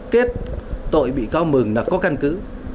kết tội bị cáo mừng là có căn cứ